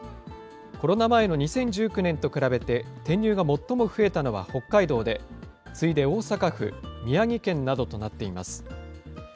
コロナ前の２０１９年と比べて、転入が最も増えたのは北海道で次いで大阪府、宮城県などとなっています。